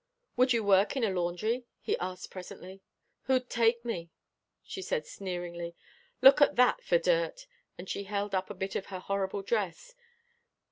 "Would you work in a laundry?" he asked presently. "Who'd take me?" she said sneeringly. "Look at that, for dirt," and she held up a bit of her horrible dress.